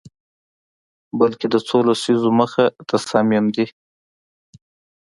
بلکه د څو لسیزو مخه تصامیم دي